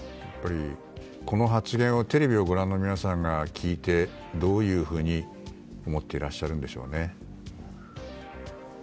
この発言をテレビをご覧の皆さんが聞いてどういうふうに思っていらっしゃるんでしょうね。